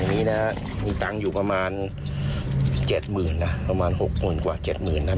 อันนี้นะครับมีตังค์อยู่ประมาณ๗๐๐๐๐บาทนะประมาณ๖๐๐๐๐กว่า๗๐๐๐๐บาทนะ